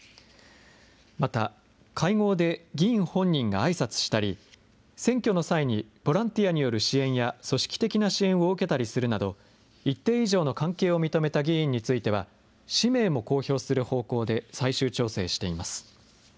また、会合で議員本人があいさつしたり、選挙の際にボランティアによる支援や組織的な支援を受けたりするなど、一定以上の関係を認めた議員については、氏名も公表する方向で最終調整しています。